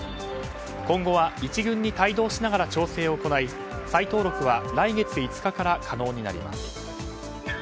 今後は１軍に帯同しながら調整を行い再登録は来月５日から可能になります。